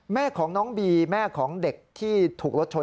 แม่ของน้องบีแม่ของเด็กที่ถูกรถชน